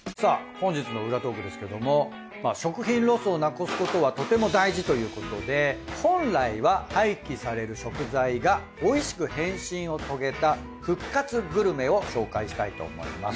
本日の裏トークですけども食品ロスをなくすことはとても大事ということで本来は廃棄される食材がおいしく変身を遂げた復活グルメを紹介したいと思います。